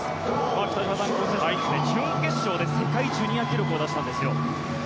北島さん、この選手は準決勝で世界ジュニア記録を出したんですよ。